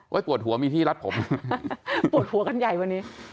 ปวดหัวมีที่รัดผมปวดหัวกันใหญ่วันนี้